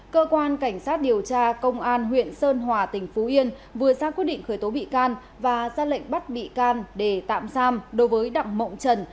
cơ quan cảnh sát điều tra công an huyện sơn hòa tỉnh phú yên vừa ra quyết định khởi tố bị can và ra lệnh bắt bị can để tạm giam đối với đặng mộng trần